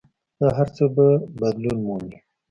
دا هر څه به بدلون مومي.